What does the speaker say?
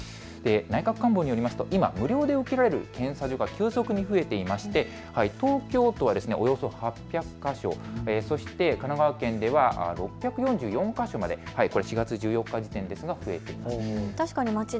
内閣官房によりますと今、無料で受けられる検査所が急速に増えていまして東京都はおよそ８００か所、そして神奈川県では６４４か所まで４月１４日時点で増えています。